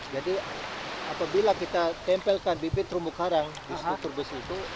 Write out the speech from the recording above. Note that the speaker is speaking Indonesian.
jadi apabila kita tempelkan bibit rumbu karang di struktur besi itu